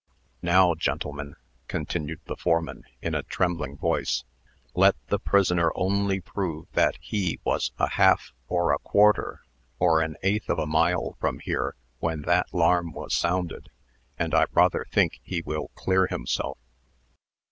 "Now, gentlemen," continued the foreman, in a trembling voice, "let the prisoner only prove that he was a half, or a quarter, or an eighth of a mile from here when that 'larm was sounded, and I rather think he will clear himself.